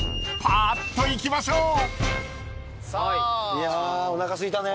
いやおなかすいたね。